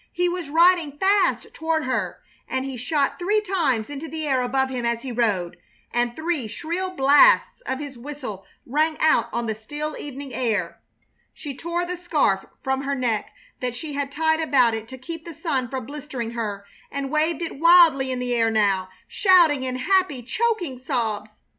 He was riding fast toward her, and he shot three shots into the air above him as he rode, and three shrill blasts of his whistle rang out on the still evening air. She tore the scarf from her neck that she had tied about it to keep the sun from blistering her, and waved it wildly in the air now, shouting in happy, choking sobs.